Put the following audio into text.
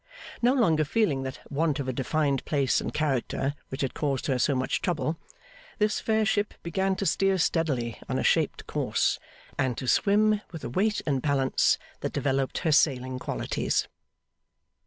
No longer feeling that want of a defined place and character which had caused her so much trouble, this fair ship began to steer steadily on a shaped course, and to swim with a weight and balance that developed her sailing qualities.